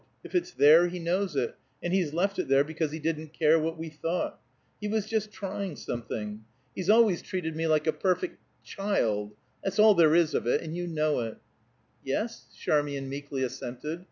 If it's there, he knows it, and he's left it there because he didn't care what we thought. He was just trying something. He's always treated me like a perfect child. That's all there is of it, and you know it." "Yes," Charmian meekly assented.